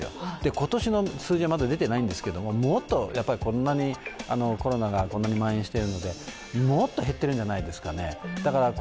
今年の数字はまだ出てないんですけど、こんなにコロナがまん延してるのでもっと減っているんじゃないんですかね。